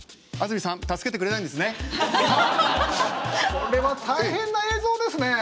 これは大変な映像ですね。